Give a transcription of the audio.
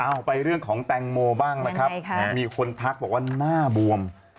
เอาไปเรื่องของแตงโมบ้างนะครับมีคนทักบอกว่าหน้าบวม